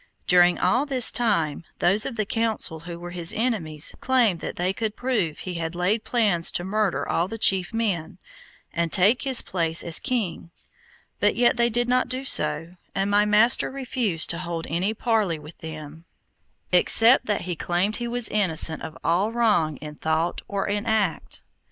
During all this time, those of the Council who were his enemies claimed that they could prove he had laid plans to murder all the chief men, and take his place as king; but yet they did not do so, and my master refused to hold any parley with them, except that he claimed he was innocent of all wrong in thought or in act.